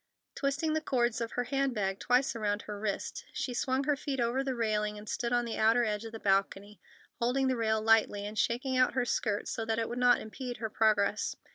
Twisting the cords of her hand bag twice about her wrist, she swung her feet over the railing and stood on the outer edge of the balcony, holding the rail lightly, and shaking out her skirt so that it would not impede her progress.